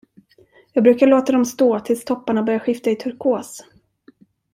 Jag brukar låta dem stå tills topparna börjar skifta i turkos.